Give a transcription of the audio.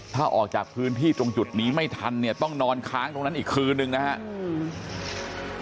ถ้าออกจากพื้นที่ตรงจุดนี้ไม่ทันเนี่ยต้องนอนค้างตรงนั้นอีกคืนนึงนะครับ